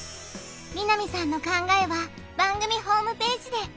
みなみさんの考えは番組ホームページで！